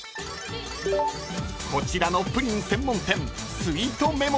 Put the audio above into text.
［こちらのプリン専門店］